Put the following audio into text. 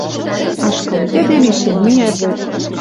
Ашкыл йӹде лишем миӓ вӹд.